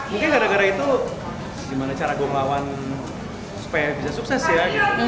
mungkin gara gara itu gimana cara gue melawan supaya bisa sukses ya